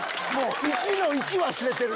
１の１忘れてる！